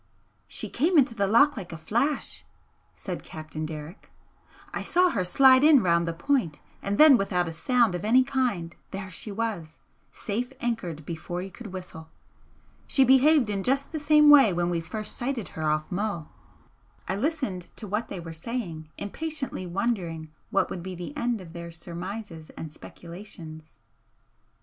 "She came into the loch like a flash," said Captain Derrick "I saw her slide in round the point, and then without a sound of any kind, there she was, safe anchored before you could whistle. She behaved in just the same way when we first sighted her off Mull." I listened to what they were saying, impatiently wondering what would be the end of their surmises and speculations.